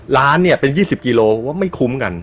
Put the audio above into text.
ร้านเนี่ยเป็น๒๐กิโลว่าไม่คุ้มกัน